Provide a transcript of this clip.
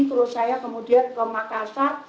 terus saya kemudian ke makassar